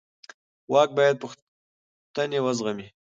واک باید پوښتنې وزغمي